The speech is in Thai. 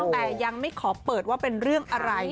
แต่ยังไม่ขอเปิดว่าเป็นเรื่องอะไร